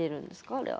あれは。